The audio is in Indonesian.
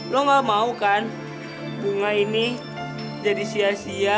lo gak mau kan bunga ini jadi sia sia